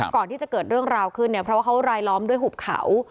ก่อนที่จะเกิดเรื่องราวขึ้นเนี่ยเพราะว่าเขารายล้อมด้วยหุบเขา